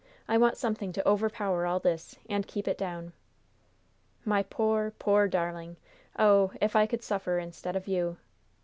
I want something to overpower all this, and keep it down." "My poor, poor darling! Oh, if I could suffer instead of you!